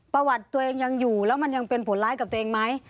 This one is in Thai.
ประวัติตัวเองยังอยู่แล้วมันยังเป็นผลร้ายกับตัวเองไหม